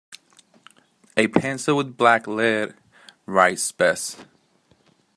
A pencil with black lead writes best.